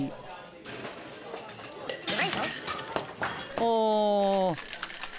お！